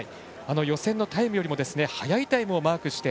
予選のタイムよりも速いタイムをマークして。